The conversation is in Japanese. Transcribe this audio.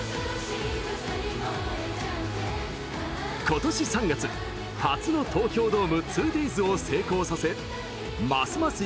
今年３月、初の東京ドーム２ｄａｙｓを成功させますます